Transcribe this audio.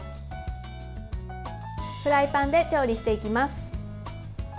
フライパンで調理していきます。